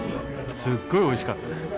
すっごいおいしかったです。